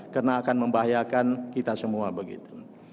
karena akan membahayakan kita semua begitu